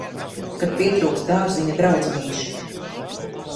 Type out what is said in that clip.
Kad pietrūkst dārziņa draudzenīšu.